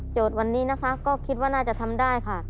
วันนี้นะคะก็คิดว่าน่าจะทำได้ค่ะ